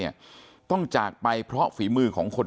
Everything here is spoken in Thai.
คุณยายบอกว่ารู้สึกเหมือนใครมายืนอยู่ข้างหลัง